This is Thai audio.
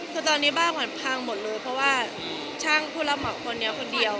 คือตอนนี้บ้านขวัญพังหมดเลยเพราะว่าช่างผู้รับเหมาคนนี้คนเดียว